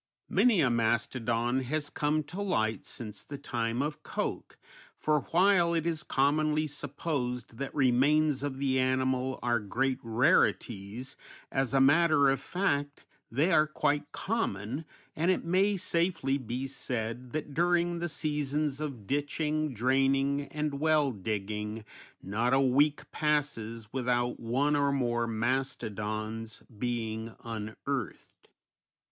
Many a mastodon has come to light since the time of Koch, for while it is commonly supposed that remains of the animal are great rarities, as a matter of fact they are quite common, and it may safely be said that during the seasons of ditching, draining, and well digging not a week passes without one or more mastodons being unearthed.